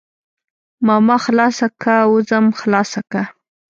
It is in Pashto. ماما خلاصه که وځم خلاصه که.